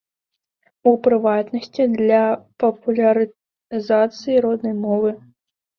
У прыватнасці, для папулярызацыі роднай мовы.